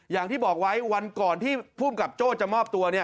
อย่างที่บอกไว้วันก่อนที่ภูมิกับโจ้จะมอบตัว